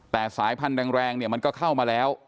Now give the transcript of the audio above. แต่สายพันธุ์แรงเนี่ยมันก็เข้ามาแล้ว